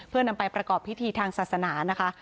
เพื่อนำไปประกอบพิธีทางศาสนานะคะ